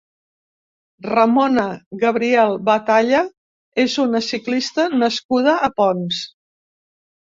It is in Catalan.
Ramona Gabriel Batalla és una ciclista nascuda a Ponts.